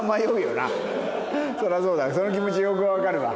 その気持ちよくわかるわ。